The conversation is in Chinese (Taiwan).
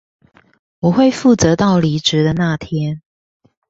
我會負責到離職的那天